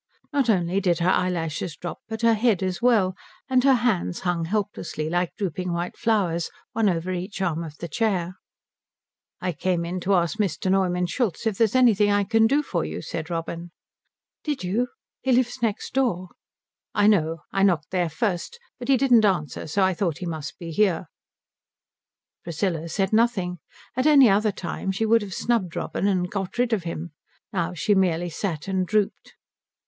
Not only did her eyelashes drop, but her head as well, and her hands hung helplessly, like drooping white flowers, one over each arm of the chair. "I came in to ask Mr. Neumann Schultz if there's anything I can do for you," said Robin. "Did you? He lives next door." "I know. I knocked there first, but he didn't answer so I thought he must be here." Priscilla said nothing. At any other time she would have snubbed Robin and got rid of him. Now she merely sat and drooped.